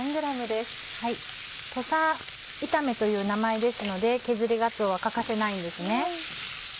土佐炒めという名前ですので削りがつおは欠かせないんですね。